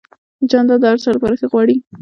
جانداد د هر چا لپاره ښه غواړي.